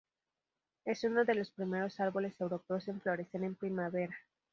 Es uno de los primeros árboles europeos en florecer en primavera.